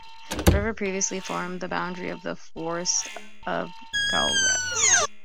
The river previously formed the boundary of the Forest of Galtres.